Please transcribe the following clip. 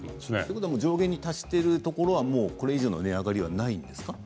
上限に達しているところはこれ以上の値上がりはないんですか？